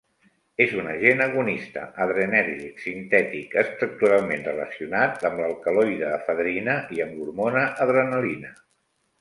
És un agent agonista adrenèrgic sintètic, estructuralment relacionat amb l'alcaloide efedrina i amb l'hormona adrenalina.